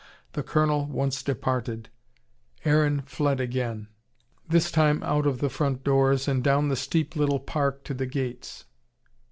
The Colonel once departed, Aaron fled again, this time out of the front doors, and down the steep little park to the gates.